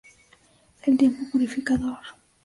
El tiempo purificador.